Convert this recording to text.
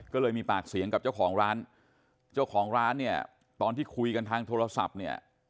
ก็เลยมีปากเสียงกับเจ้าของร้านเจ้าของร้านเนี่ยตอนที่คุยกันทางโทรศัพท์เนี่ย